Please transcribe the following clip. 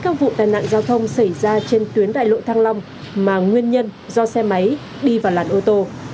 sau vụ tàn nạn giao thông xảy ra trên tuyến đại lộ thăng lòng mà nguyên nhân do xe máy đi vào làn ô tô